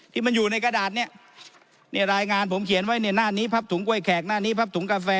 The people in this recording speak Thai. ที่มันอยู่ในกระดาษเนี่ยรายงานผมเขียนไว้ในหน้านี้พับถุงกล้วยแขกหน้านี้พับถุงกาแฟ